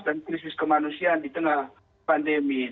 dan krisis kemanusiaan di tengah pandemi ini